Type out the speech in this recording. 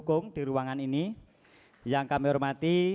yang diselenggarakan oleh